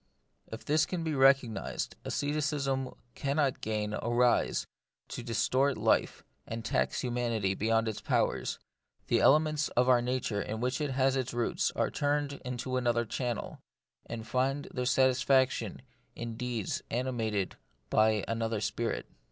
If this be recognised, asceticism cannot again arise to distort life and tax humanity beyond its powers ; the elements of our nature in which it has its root The Mystery of Pain. 89 «re turned into another channel, and find their satisfaction in deeds animated by an other spirit.